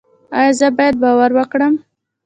ایا زه باید باور وکړم؟